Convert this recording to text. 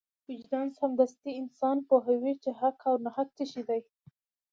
وجدان سمدستي انسان پوهوي چې حق او ناحق څه شی دی.